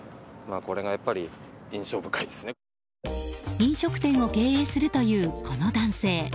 飲食店を経営するというこの男性。